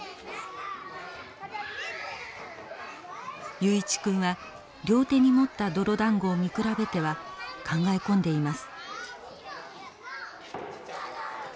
雄一君は両手に持った泥だんごを見比べては考え込んでいます。